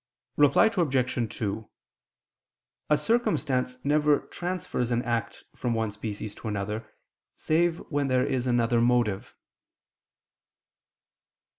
Reply Obj. 2: A circumstance never transfers an act from one species to another, save when there is another motive.